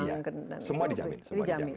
iya semua dijamin